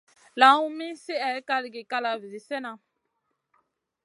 Lawn min slihè kalgi kalavi zi slena.